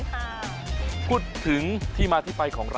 ไม่รอชาติเดี๋ยวเราลงไปพิสูจน์ความอร่อยกันครับ